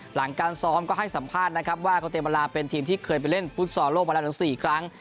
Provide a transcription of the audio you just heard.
หลังการซ้อมก็ให้สัมภาษณ์นะครับว่าโคเตมลาเป็นทีมที่เคยไปเล่นฟุตซอลโลกมาแล้วถึง๔ครั้ง